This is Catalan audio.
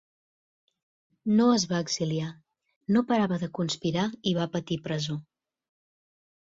No es va exiliar, no parava de conspirar i va patir presó.